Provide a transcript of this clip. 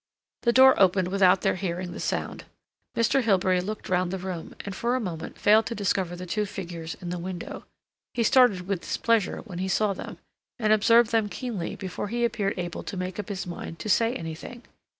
The door opened without their hearing the sound. Mr. Hilbery looked round the room, and for a moment failed to discover the two figures in the window. He started with displeasure when he saw them, and observed them keenly before he appeared able to make up his mind to say anything.